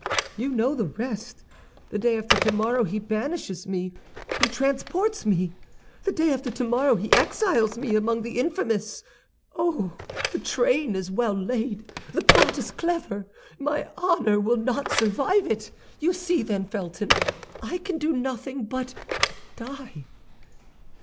You know the rest. The day after tomorrow he banishes me, he transports me; the day after tomorrow he exiles me among the infamous. Oh, the train is well laid; the plot is clever. My honor will not survive it! You see, then, Felton, I can do nothing but die.